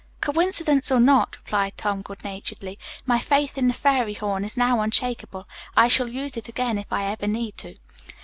"Coincidence or not," replied Tom good naturedly, "my faith in the fairy horn is now unshakable. I shall use it again if I ever need to."